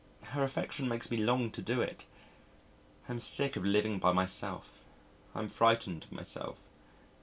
Her affection makes me long to do it. I am sick of living by myself. I am frightened of myself.